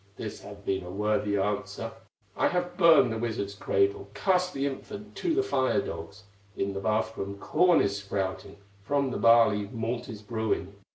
This had been a worthy answer: 'I have burned the wizard's cradle, Cast the infant to the fire dogs; In the bath room corn is sprouting, From the barley malt is brewing.